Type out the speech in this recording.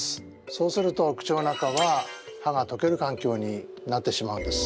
そうすると口の中は歯がとけるかんきょうになってしまうんです。